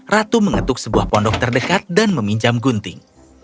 ratu mengetuk sebuah pondok terdekat dan meminjam gunting